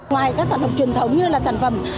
ngoài các sản phẩm truyền thống như là sản phẩm